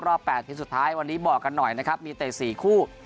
๘ทีมสุดท้ายวันนี้บอกกันหน่อยนะครับมีเตะ๔คู่